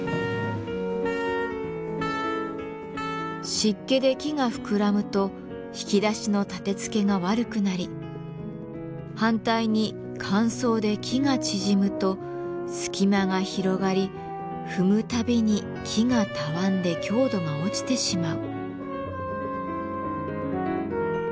湿気で木が膨らむと引き出しの立てつけが悪くなり反対に乾燥で木が縮むと隙間が広がり踏むたびに木がたわんで強度が落ちてしまう。